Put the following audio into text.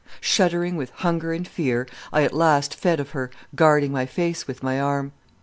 Shuddering with hunger and fear, I at last fed of her, guarding my face with my arm.